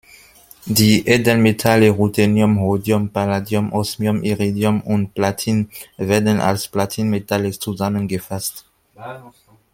Die Edelmetalle Ruthenium, Rhodium, Palladium, Osmium, Iridium und Platin werden als Platinmetalle zusammengefasst.